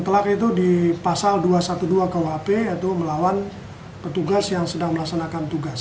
kelak itu di pasal dua ratus dua belas kuhp yaitu melawan petugas yang sedang melaksanakan tugas